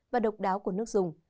và độc đáo của nước dùng